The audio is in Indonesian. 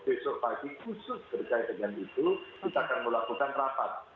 besok pagi khusus berkaitan itu kita akan melakukan rapat